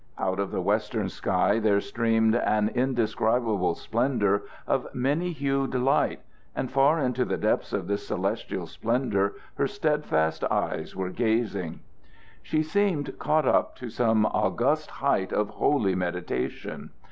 Out of the western sky there streamed an indescribable splendor of many hued light, and far into the depths of this celestial splendor her steadfast eyes were gazing. She seemed caught up to some august height of holy meditation.